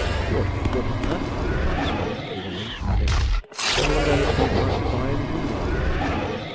'Sure to be a good 'un, then,' replied Sponge, with a wink, adding, 'I wonder if he'd like to buy any more?'